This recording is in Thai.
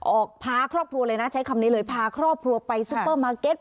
พาครอบครัวเลยนะใช้คำนี้เลยพาครอบครัวไปซุปเปอร์มาร์เก็ต